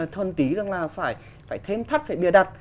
thuần tí rằng là phải thêm thắt phải bia đặt